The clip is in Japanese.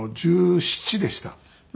１７でした。